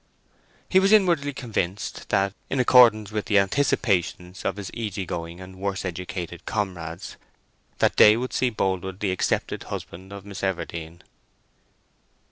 He was inwardly convinced that, in accordance with the anticipations of his easy going and worse educated comrades, that day would see Boldwood the accepted husband of Miss Everdene.